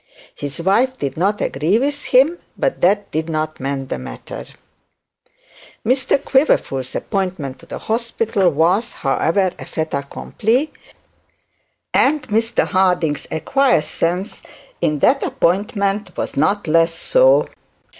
His wife did not agree with him, but that did not mend the matter. Mr Quiverful's appointment to the hospital was, however, a fait accompli, and Mr Harding's acquiescence in that appointment was not less so.